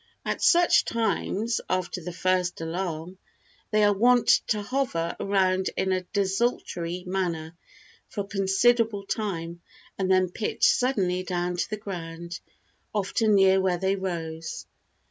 At such times, after the first alarm, they are wont to hover around in a desultory manner for a considerable time and then pitch suddenly down to the ground, often near where they rose.